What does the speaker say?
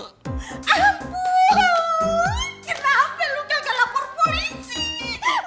ampun kenapa lu kagak lapor polisi